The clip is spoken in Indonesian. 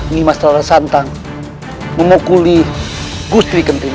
nimas rada santang memukuli gustri kentiman